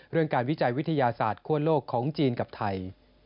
เรื่องการวิจัยวิทยาศาสตร์คั่วโลกของจีนกับไทย